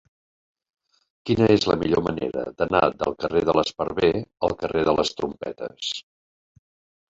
Quina és la millor manera d'anar del carrer de l'Esparver al carrer de les Trompetes?